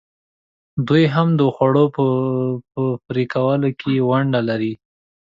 دوی هم د خوړو په پرې کولو کې ونډه لري.